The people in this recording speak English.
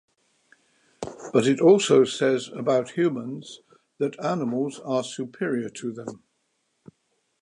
But it also says about humans that animals are superior to them.